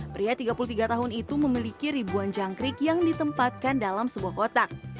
pria tiga puluh tiga tahun itu memiliki ribuan jangkrik yang ditempatkan dalam sebuah kotak